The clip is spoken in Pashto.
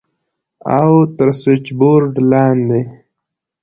او تر سوېچبورډ لاندې.